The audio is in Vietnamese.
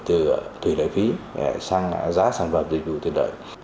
từ thủy lợi phí sang giá sản phẩm dịch vụ tuyệt đời